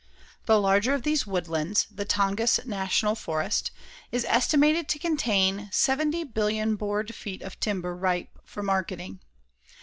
The larger of these woodlands, the Tongass National Forest, is estimated to contain 70,000,000,000 board feet of timber ripe for marketing.